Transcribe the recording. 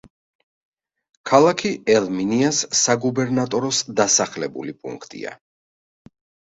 ქალაქი ელ-მინიას საგუბერნატოროს დასახლებული პუნქტია.